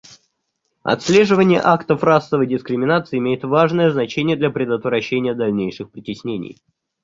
Отслеживание актов расовой дискриминации имеет важное значение для предотвращения дальнейших притеснений.